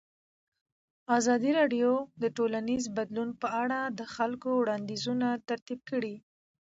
ازادي راډیو د ټولنیز بدلون په اړه د خلکو وړاندیزونه ترتیب کړي.